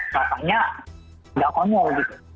katanya tidak on wall gitu